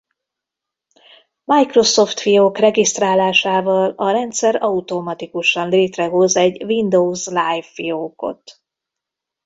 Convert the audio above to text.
Microsoft-fiók regisztrálásával a rendszer automatikusan létrehoz egy Windows Live fiókot.